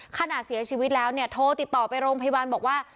เสียชีวิตแล้วเนี่ยโทรติดต่อไปโรงพยาบาลบอกว่า